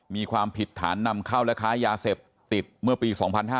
มีความผิดฐานนำเข้าและค้ายาเสพติดเมื่อปี๒๕๕๙